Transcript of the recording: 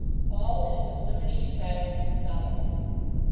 All is sublimity, silence, and solitude.